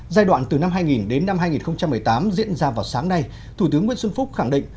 giai đoạn từ năm hai nghìn đến năm hai nghìn một mươi tám diễn ra vào sáng nay thủ tướng nguyễn xuân phúc khẳng định